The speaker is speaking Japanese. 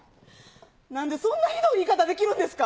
なんでそんなひどい言い方できるんですか。